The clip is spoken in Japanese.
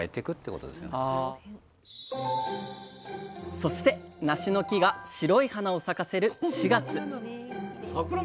そしてなしの木が白い花を咲かせる